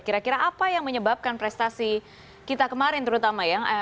kira kira apa yang menyebabkan prestasi kita kemarin terutama ya